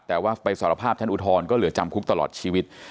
แต่ว่าไปสารภาพชั้นอุทธรณ์ก็เหลือจำคุกตลอดชีวิต